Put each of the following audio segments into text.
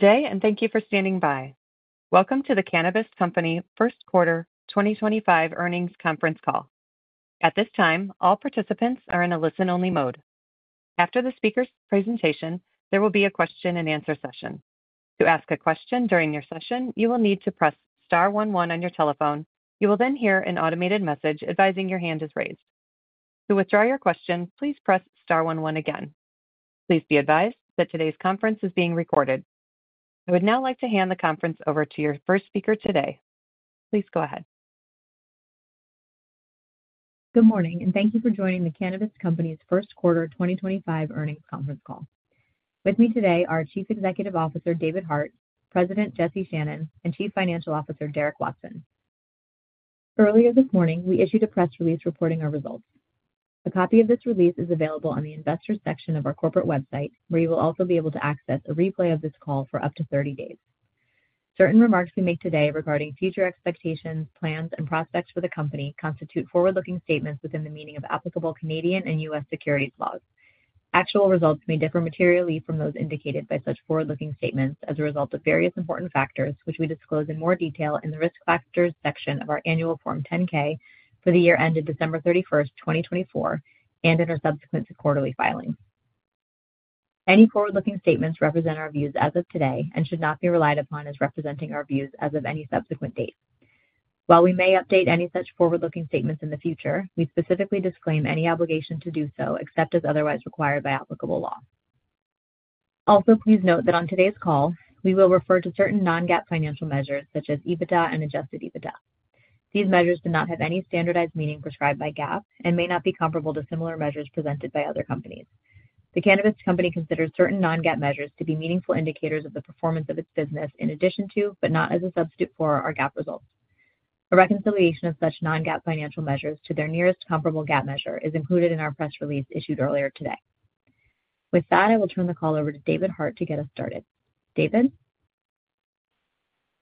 Good day, and thank you for standing by. Welcome to the Cannabist Company first quarter 2025 earnings conference call. At this time, all participants are in a listen-only mode. After the speaker's presentation, there will be a question-and-answer session. To ask a question during your session, you will need to press star one one on your telephone. You will then hear an automated message advising your hand is raised. To withdraw your question, please press star one one again. Please be advised that today's conference is being recorded. I would now like to hand the conference over to your first speaker today. Please go ahead. Good morning, and thank you for joining the Cannabist Company's First Quarter 2025 earnings conference call. With me today are Chief Executive Officer David Hart, President Jesse Channon, and Chief Financial Officer Derek Watson. Earlier this morning, we issued a press release reporting our results. A copy of this release is available on the investor section of our corporate website, where you will also be able to access a replay of this call for up to 30 days. Certain remarks we make today regarding future expectations, plans, and prospects for the company constitute forward-looking statements within the meaning of applicable Canadian and U.S. securities laws. Actual results may differ materially from those indicated by such forward-looking statements as a result of various important factors, which we disclose in more detail in the risk factors section of our annual Form 10-K for the year ended December 31, 2024, and in our subsequent quarterly filings. Any forward-looking statements represent our views as of today and should not be relied upon as representing our views as of any subsequent date. While we may update any such forward-looking statements in the future, we specifically disclaim any obligation to do so except as otherwise required by applicable law. Also, please note that on today's call, we will refer to certain non-GAAP financial measures such as EBITDA and adjusted EBITDA. These measures do not have any standardized meaning prescribed by GAAP and may not be comparable to similar measures presented by other companies. The Cannabist Company considers certain non-GAAP measures to be meaningful indicators of the performance of its business in addition to, but not as a substitute for, our GAAP results. A reconciliation of such non-GAAP financial measures to their nearest comparable GAAP measure is included in our press release issued earlier today. With that, I will turn the call over to David Hart to get us started. David.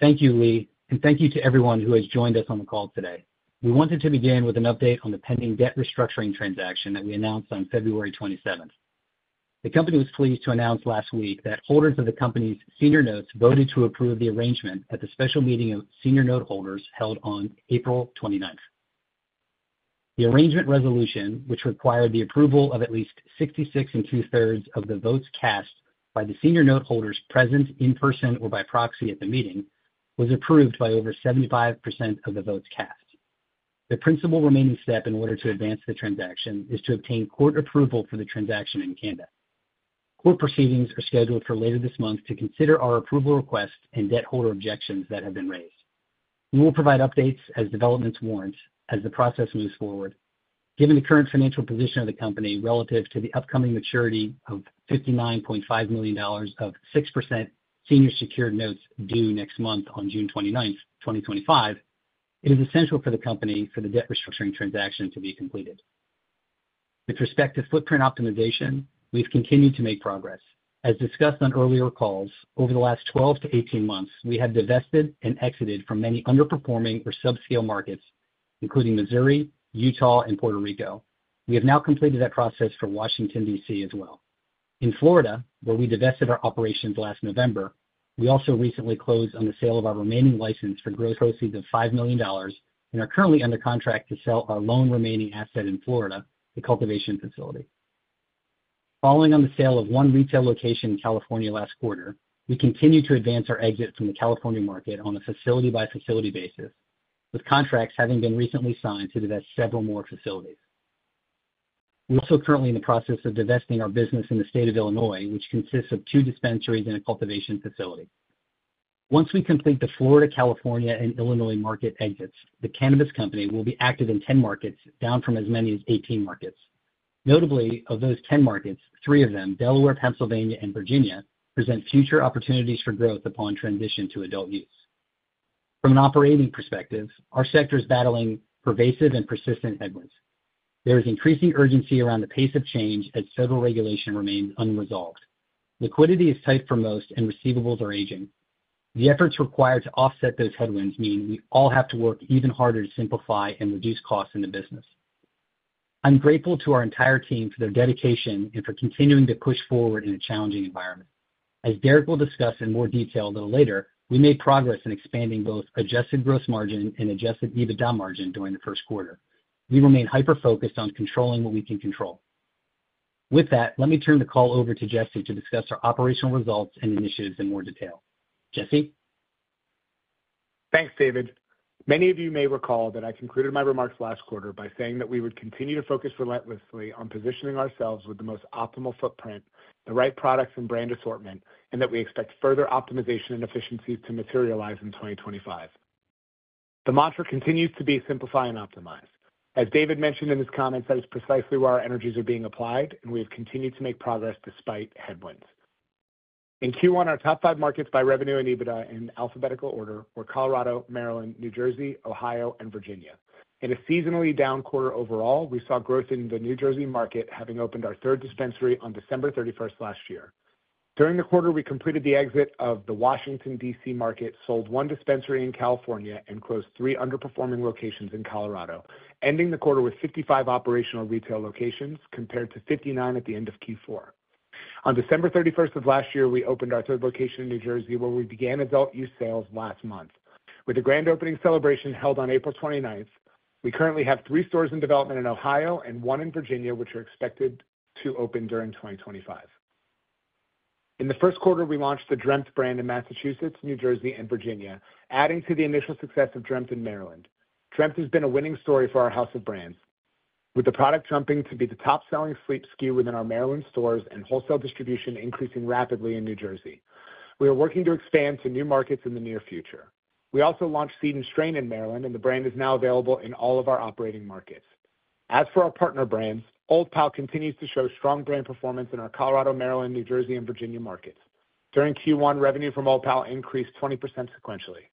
Thank you, Lee, and thank you to everyone who has joined us on the call today. We wanted to begin with an update on the pending debt restructuring transaction that we announced on February 27. The company was pleased to announce last week that holders of the company's senior notes voted to approve the arrangement at the special meeting of senior note holders held on April 29. The arrangement resolution, which required the approval of at least 66 and two-thirds % of the votes cast by the senior note holders present in person or by proxy at the meeting, was approved by over 75% of the votes cast. The principal remaining step in order to advance the transaction is to obtain court approval for the transaction in Canada. Court proceedings are scheduled for later this month to consider our approval requests and debt holder objections that have been raised. We will provide updates as developments warrant as the process moves forward. Given the current financial position of the company relative to the upcoming maturity of $59.5 million of 6% senior secured notes due next month on June 29, 2025, it is essential for the company for the debt restructuring transaction to be completed. With respect to footprint optimization, we've continued to make progress. As discussed on earlier calls, over the last 12 to 18 months, we have divested and exited from many underperforming or subscale markets, including Missouri, Utah, and Puerto Rico. We have now completed that process for Washington, D.C., as well. In Florida, where we divested our operations last November, we also recently closed on the sale of our remaining license for gross proceeds of $5 million and are currently under contract to sell our lone remaining asset in Florida, the cultivation facility. Following on the sale of one retail location in California last quarter, we continue to advance our exit from the California market on a facility-by-facility basis, with contracts having been recently signed to divest several more facilities. We're also currently in the process of divesting our business in the state of Illinois, which consists of two dispensaries and a cultivation facility. Once we complete the Florida, California, and Illinois market exits, the Cannabist Company will be active in 10 markets, down from as many as 18 markets. Notably, of those 10 markets, three of them, Delaware, Pennsylvania, and Virginia, present future opportunities for growth upon transition to adult use. From an operating perspective, our sector is battling pervasive and persistent headwinds. There is increasing urgency around the pace of change as federal regulation remains unresolved. Liquidity is tight for most, and receivables are aging. The efforts required to offset those headwinds mean we all have to work even harder to simplify and reduce costs in the business. I'm grateful to our entire team for their dedication and for continuing to push forward in a challenging environment. As Derek will discuss in more detail a little later, we made progress in expanding both adjusted gross margin and adjusted EBITDA margin during the first quarter. We remain hyper-focused on controlling what we can control. With that, let me turn the call over to Jesse to discuss our operational results and initiatives in more detail. Jesse. Thanks, David. Many of you may recall that I concluded my remarks last quarter by saying that we would continue to focus relentlessly on positioning ourselves with the most optimal footprint, the right products and brand assortment, and that we expect further optimization and efficiencies to materialize in 2025. The mantra continues to be simplify and optimize. As David mentioned in his comments, that is precisely where our energies are being applied, and we have continued to make progress despite headwinds. In Q1, our top five markets by revenue and EBITDA in alphabetical order were Colorado, Maryland, New Jersey, Ohio, and Virginia. In a seasonally down quarter overall, we saw growth in the New Jersey market, having opened our third dispensary on December 31 last year. During the quarter, we completed the exit of the Washington, D.C. market, sold one dispensary in California, and closed three underperforming locations in Colorado, ending the quarter with 55 operational retail locations compared to 59 at the end of Q4. On December 31 of last year, we opened our third location in New Jersey, where we began adult use sales last month. With a grand opening celebration held on April 29, we currently have three stores in development in Ohio and one in Virginia, which are expected to open during 2025. In the first quarter, we launched the dreamt brand in Massachusetts, New Jersey, and Virginia, adding to the initial success of dreamt in Maryland. dreamt has been a winning story for our house of brands, with the product jumping to be the top-selling sleep SKU within our Maryland stores and wholesale distribution increasing rapidly in New Jersey. We are working to expand to new markets in the near future. We also launched Seed and Strain in Maryland, and the brand is now available in all of our operating markets. As for our partner brands, Old Pal continues to show strong brand performance in our Colorado, Maryland, New Jersey, and Virginia markets. During Q1, revenue from Old Pal increased 20% sequentially.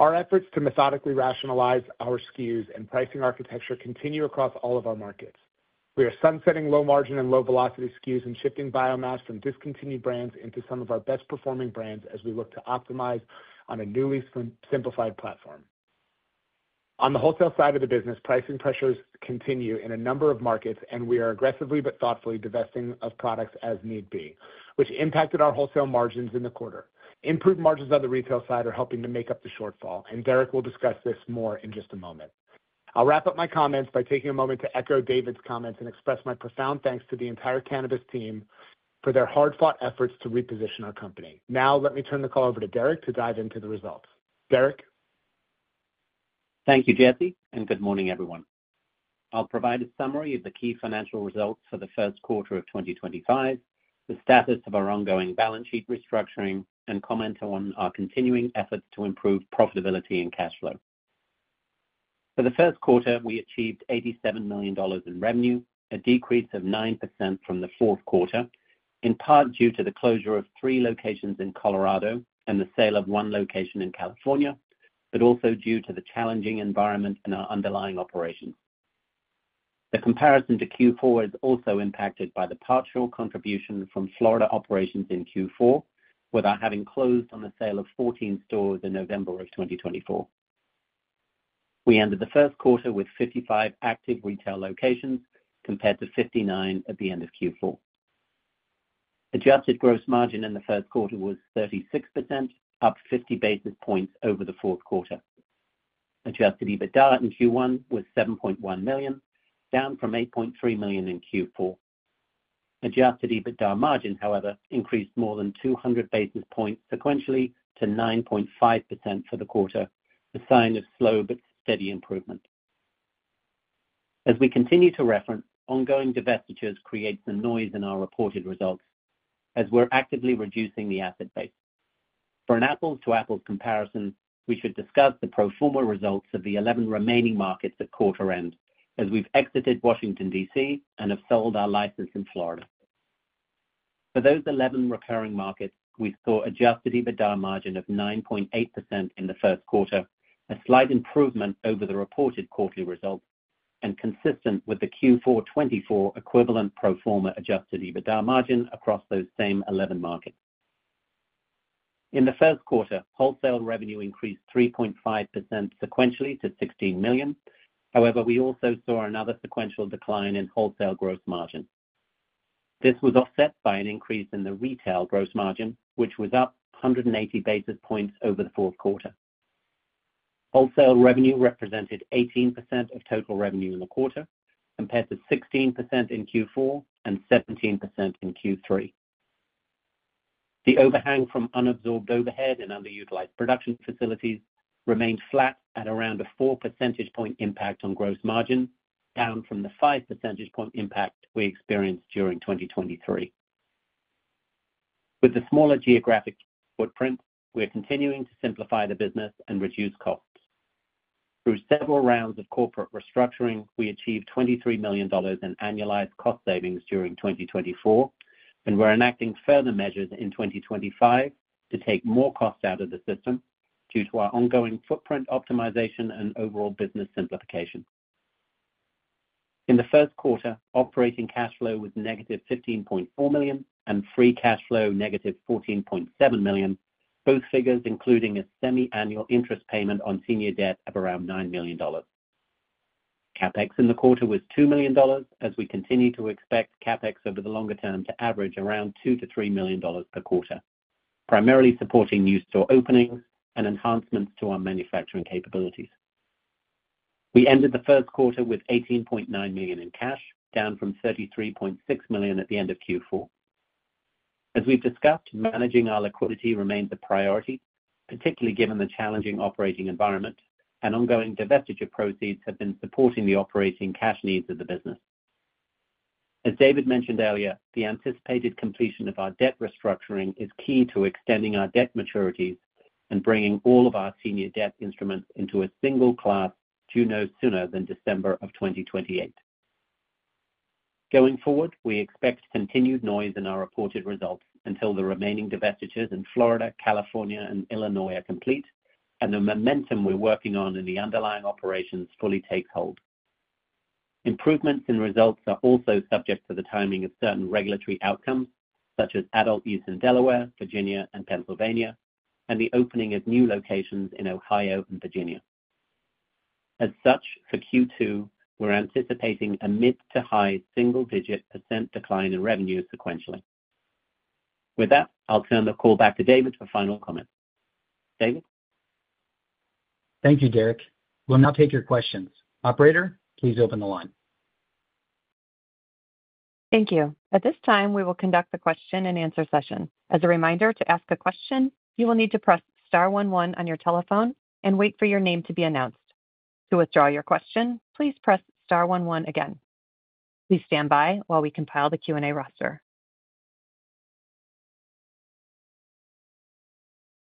Our efforts to methodically rationalize our SKUs and pricing architecture continue across all of our markets. We are sunsetting low-margin and low-velocity SKUs and shifting biomass from discontinued brands into some of our best-performing brands as we look to optimize on a newly simplified platform. On the wholesale side of the business, pricing pressures continue in a number of markets, and we are aggressively but thoughtfully divesting of products as need be, which impacted our wholesale margins in the quarter. Improved margins on the retail side are helping to make up the shortfall, and Derek will discuss this more in just a moment. I'll wrap up my comments by taking a moment to echo David's comments and express my profound thanks to the entire Cannabist team for their hard-fought efforts to reposition our company. Now, let me turn the call over to Derek to dive into the results. Derek. Thank you, Jesse, and good morning, everyone. I'll provide a summary of the key financial results for the first quarter of 2025, the status of our ongoing balance sheet restructuring, and comment on our continuing efforts to improve profitability and cash flow. For the first quarter, we achieved $87 million in revenue, a decrease of 9% from the fourth quarter, in part due to the closure of three locations in Colorado and the sale of one location in California, but also due to the challenging environment in our underlying operations. The comparison to Q4 is also impacted by the partial contribution from Florida operations in Q4, with our having closed on the sale of 14 stores in November of 2024. We ended the first quarter with 55 active retail locations compared to 59 at the end of Q4. Adjusted gross margin in the first quarter was 36%, up 50 basis points over the fourth quarter. Adjusted EBITDA in Q1 was $7.1 million, down from $8.3 million in Q4. Adjusted EBITDA margin, however, increased more than 200 basis points sequentially to 9.5% for the quarter, a sign of slow but steady improvement. As we continue to reference, ongoing divestitures create some noise in our reported results as we're actively reducing the asset base. For an apples-to-apples comparison, we should discuss the pro forma results of the 11 remaining markets at quarter-end as we've exited Washington, D.C., and have sold our license in Florida. For those 11 recurring markets, we saw adjusted EBITDA margin of 9.8% in the first quarter, a slight improvement over the reported quarterly results, and consistent with the Q4 2024 equivalent pro forma adjusted EBITDA margin across those same 11 markets. In the first quarter, wholesale revenue increased 3.5% sequentially to $16 million. However, we also saw another sequential decline in wholesale gross margin. This was offset by an increase in the retail gross margin, which was up 180 basis points over the fourth quarter. Wholesale revenue represented 18% of total revenue in the quarter, compared to 16% in Q4 and 17% in Q3. The overhang from unabsorbed overhead and underutilized production facilities remained flat at around a 4 percentage point impact on gross margin, down from the 5 percentage point impact we experienced during 2023. With the smaller geographic footprint, we're continuing to simplify the business and reduce costs. Through several rounds of corporate restructuring, we achieved $23 million in annualized cost savings during 2024, and we're enacting further measures in 2025 to take more costs out of the system due to our ongoing footprint optimization and overall business simplification. In the first quarter, operating cash flow was negative $15.4 million and free cash flow negative $14.7 million, both figures including a semi-annual interest payment on senior debt of around $9 million. CapEx in the quarter was $2 million, as we continue to expect CapEx over the longer term to average around $2-$3 million per quarter, primarily supporting new store openings and enhancements to our manufacturing capabilities. We ended the first quarter with $18.9 million in cash, down from $33.6 million at the end of Q4. As we've discussed, managing our liquidity remains a priority, particularly given the challenging operating environment and ongoing divestiture proceeds have been supporting the operating cash needs of the business. As David mentioned earlier, the anticipated completion of our debt restructuring is key to extending our debt maturities and bringing all of our senior debt instruments into a single class due no sooner than December of 2028. Going forward, we expect continued noise in our reported results until the remaining divestitures in Florida, California, and Illinois are complete and the momentum we're working on in the underlying operations fully takes hold. Improvements in results are also subject to the timing of certain regulatory outcomes, such as adult use in Delaware, Virginia, and Pennsylvania, and the opening of new locations in Ohio and Virginia. As such, for Q2, we're anticipating a mid to high single-digit % decline in revenue sequentially. With that, I'll turn the call back to David for final comments. David. Thank you, Derek. We'll now take your questions. Operator, please open the line. Thank you. At this time, we will conduct the question and answer session. As a reminder, to ask a question, you will need to press star 11 on your telephone and wait for your name to be announced. To withdraw your question, please press star 11 again. Please stand by while we compile the Q&A roster.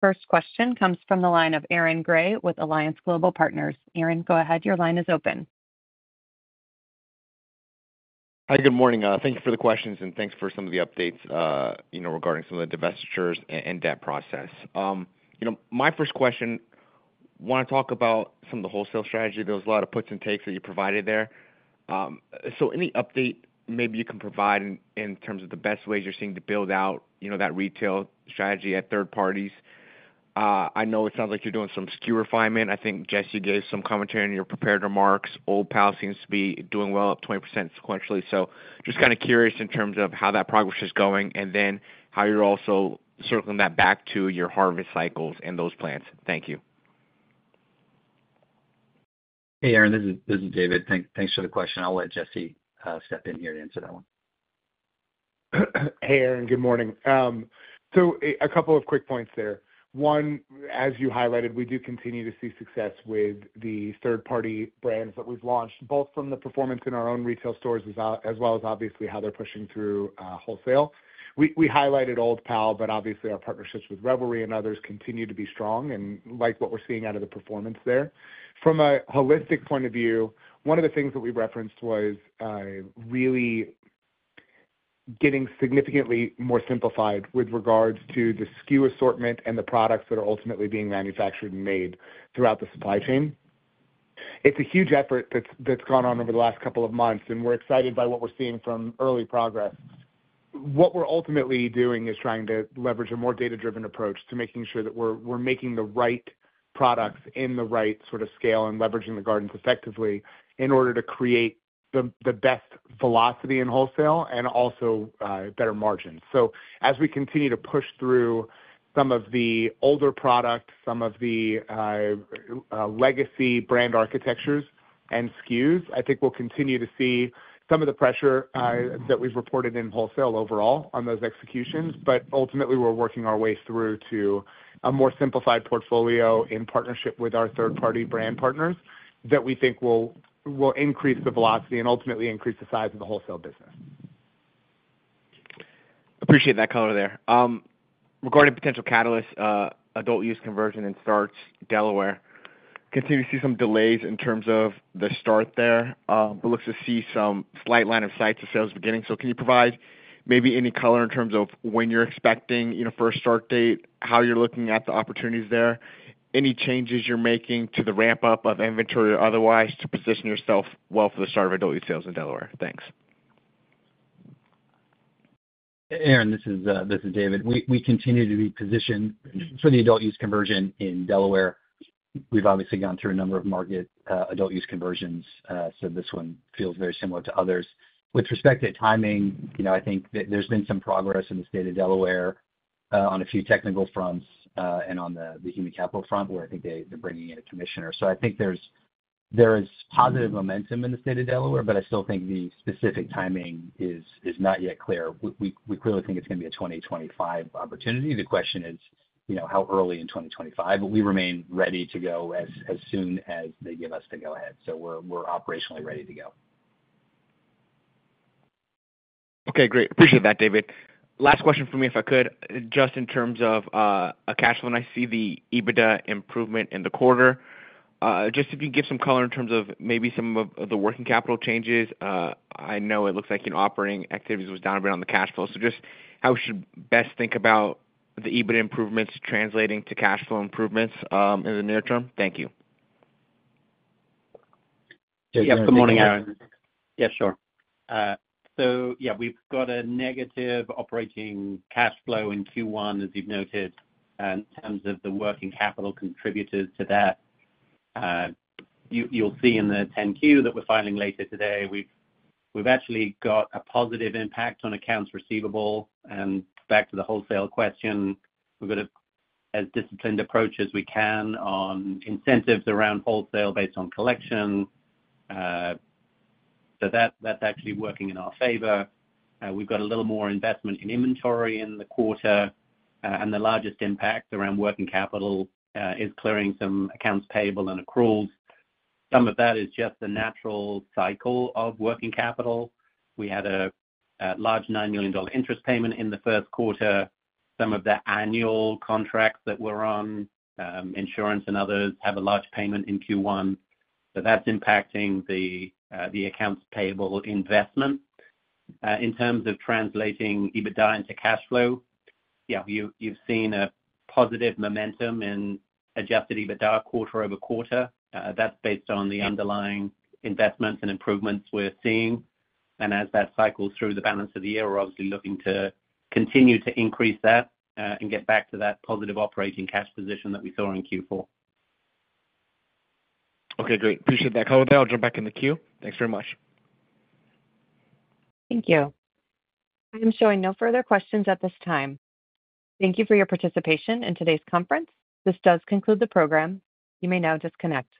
First question comes from the line of Aaron Grey with Alliance Global Partners. Aaron, go ahead. Your line is open. Hi, good morning. Thank you for the questions, and thanks for some of the updates regarding some of the divestitures and debt process. My first question, I want to talk about some of the wholesale strategy. There was a lot of puts and takes that you provided there. Any update maybe you can provide in terms of the best ways you're seeing to build out that retail strategy at third parties? I know it sounds like you're doing some SKU refinement. I think Jesse gave some commentary in your prepared remarks. Old Pal seems to be doing well, up 20% sequentially. Just kind of curious in terms of how that progress is going and then how you're also circling that back to your harvest cycles and those plants. Thank you. Hey, Aaron. This is David. Thanks for the question. I'll let Jesse step in here to answer that one. Hey, Aaron. Good morning. A couple of quick points there. One, as you highlighted, we do continue to see success with the third-party brands that we've launched, both from the performance in our own retail stores as well as obviously how they're pushing through wholesale. We highlighted Old Pal, but obviously our partnerships with Reverie and others continue to be strong and like what we're seeing out of the performance there. From a holistic point of view, one of the things that we referenced was really getting significantly more simplified with regards to the SKU assortment and the products that are ultimately being manufactured and made throughout the supply chain. It's a huge effort that's gone on over the last couple of months, and we're excited by what we're seeing from early progress. What we're ultimately doing is trying to leverage a more data-driven approach to making sure that we're making the right products in the right sort of scale and leveraging the gardens effectively in order to create the best velocity in wholesale and also better margins. As we continue to push through some of the older products, some of the legacy brand architectures and SKUs, I think we'll continue to see some of the pressure that we've reported in wholesale overall on those executions. Ultimately, we're working our way through to a more simplified portfolio in partnership with our third-party brand partners that we think will increase the velocity and ultimately increase the size of the wholesale business. Appreciate that color there. Regarding potential catalysts, adult use conversion and starts, Delaware, continue to see some delays in terms of the start there, but looks to see some slight line of sight to sales beginning. Can you provide maybe any color in terms of when you're expecting first start date, how you're looking at the opportunities there, any changes you're making to the ramp-up of inventory or otherwise to position yourself well for the start of adult use sales in Delaware? Thanks. Aaron, this is David. We continue to be positioned for the adult use conversion in Delaware. We've obviously gone through a number of market adult use conversions, so this one feels very similar to others. With respect to timing, I think there's been some progress in the state of Delaware on a few technical fronts and on the human capital front, where I think they're bringing in a commissioner. I think there is positive momentum in the state of Delaware, but I still think the specific timing is not yet clear. We clearly think it's going to be a 2025 opportunity. The question is how early in 2025, but we remain ready to go as soon as they give us the go-ahead. We're operationally ready to go. Okay, great. Appreciate that, David. Last question for me, if I could, just in terms of cash flow. I see the EBITDA improvement in the quarter. Just if you can give some color in terms of maybe some of the working capital changes. I know it looks like operating activities was down a bit on the cash flow. Just how we should best think about the EBITDA improvements translating to cash flow improvements in the near term? Thank you. Yep. Good morning, Aaron. Yeah, sure. Yeah, we've got a negative operating cash flow in Q1, as you've noted, in terms of the working capital contributed to that. You'll see in the 10Q that we're filing later today, we've actually got a positive impact on accounts receivable. Back to the wholesale question, we've got a disciplined approach as we can on incentives around wholesale based on collection. That's actually working in our favor. We've got a little more investment in inventory in the quarter. The largest impact around working capital is clearing some accounts payable and accruals. Some of that is just the natural cycle of working capital. We had a large $9 million interest payment in the first quarter. Some of the annual contracts that we're on, insurance and others, have a large payment in Q1. That's impacting the accounts payable investment. In terms of translating EBITDA into cash flow, yeah, you've seen a positive momentum in adjusted EBITDA quarter over quarter. That's based on the underlying investments and improvements we're seeing. As that cycles through the balance of the year, we're obviously looking to continue to increase that and get back to that positive operating cash position that we saw in Q4. Okay, great. Appreciate that. I'll jump back in the queue. Thanks very much. Thank you. I'm showing no further questions at this time. Thank you for your participation in today's conference. This does conclude the program. You may now disconnect.